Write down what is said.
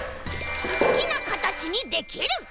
すきなかたちにできる！